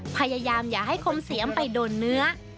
พยายามอย่าให้คมเสียมไปโดนเนื้อ